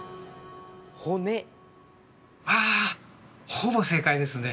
ほぼ正解ですね。